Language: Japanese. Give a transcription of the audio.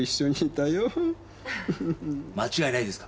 間違いないですか？